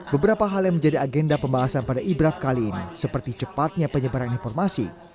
beberapa hal yang menjadi agenda pembahasan pada ibraf kali ini seperti cepatnya penyebaran informasi